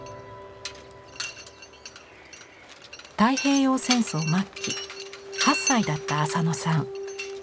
太平洋戦争末期８歳だった浅野さん。